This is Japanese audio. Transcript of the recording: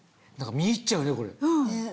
見入っちゃうねこれ。